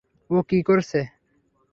ও কি করছে?